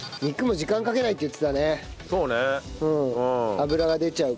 脂が出ちゃうから。